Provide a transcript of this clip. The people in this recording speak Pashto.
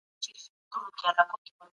د بشري ټولني تکامل څه هدف لري؟